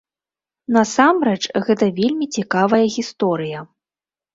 Насамрэч гэта вельмі цікавая гісторыя.